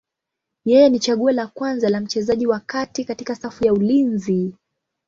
Yeye ni chaguo la kwanza la mchezaji wa kati katika safu ya ulinzi.